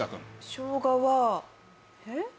しょうがはえっ何？